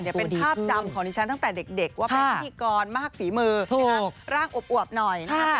เป็นภาพจำของฉันตั้งแต่เด็กว่าเป็นพี่กรมากฝีมือร่างอวบหน่อยนะคะ